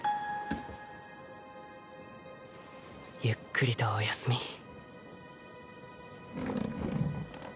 ゆっくりとお休み。